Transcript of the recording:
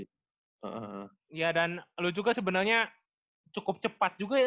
iya dan lo juga sebenarnya cukup cepat juga ya